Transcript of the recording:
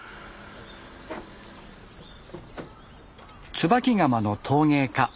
椿窯の陶芸家